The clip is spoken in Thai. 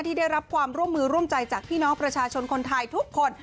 ที่ได้รับความร่วมมือร่วมใจจากพี่น้องประชาชนคนไทยทุกคน